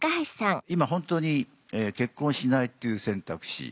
今本当に結婚をしないっていう選択肢